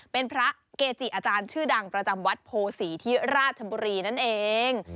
เป็นพระเกจิอาจารย์ชื่อดังประจำวัดโพศีที่ราชบุรีนั่นเอง